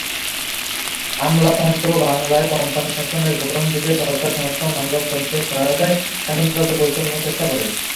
আমলাতন্ত্র বাংলায় কোম্পানি শাসনের প্রথমদিকে সরকার সনাতন আমলাতন্ত্রের সহায়তায় শাসনকার্য পরিচালনার চেষ্টা করে।